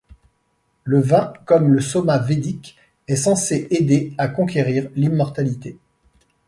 Le vin, comme le soma védique, est censé aider à conquérir l'immortalité.